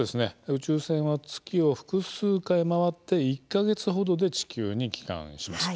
宇宙船は月を複数回、回って１か月程で地球に帰還します。